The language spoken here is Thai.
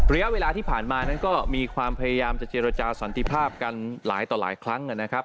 ระยะเวลาที่ผ่านมานั้นก็มีความพยายามจะเจรจาสันติภาพกันหลายต่อหลายครั้งนะครับ